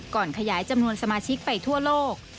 ขยายจำนวนสมาชิกไปทั่วโลก